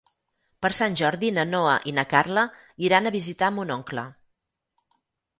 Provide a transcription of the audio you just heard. Per Sant Jordi na Noa i na Carla iran a visitar mon oncle.